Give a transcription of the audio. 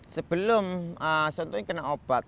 sebelum contohnya kena obat